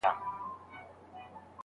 ږغ ته د زمري به د ګیدړو ټولۍ څه وايی